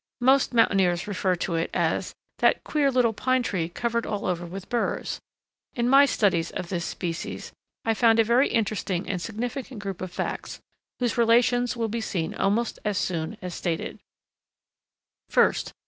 Most mountaineers refer to it as "that queer little pine tree covered all over with burs." In my studies of this species I found a very interesting and significant group of facts, whose relations will be seen almost as soon as stated: 1st.